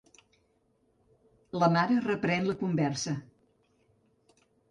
La mare reprèn la conversa.